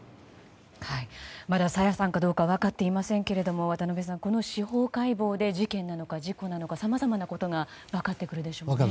まだ朝芽さんかどうかは分かっていませんが渡辺さん、この司法解剖で事件なのか事故なのかさまざまなことが分かってくるでしょうね。